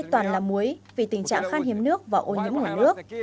mọi thứ ở đây toàn là muối vì tình trạng khan hiếm nước và ôn nhấm của nước